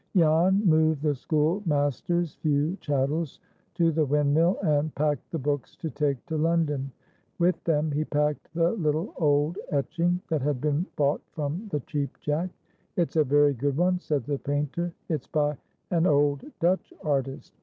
Jan moved the schoolmaster's few chattels to the windmill, and packed the books to take to London. With them he packed the little old etching that had been bought from the Cheap Jack. "It's a very good one," said the painter. "It's by an old Dutch artist.